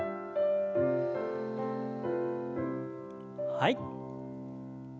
はい。